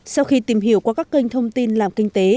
sau khi tìm hiểu qua các kênh thông tin làm kinh tế